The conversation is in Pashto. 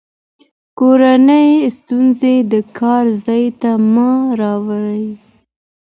کورني ستونزې د کار ځای ته مه راوړئ.